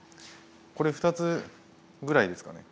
これ２つぐらいですかね？